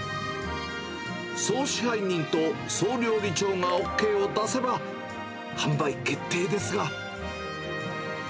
総支配人と総料理長がＯＫを出せば、販売決定ですが。